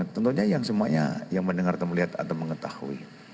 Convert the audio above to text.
tentunya yang semuanya yang mendengar atau melihat atau mengetahui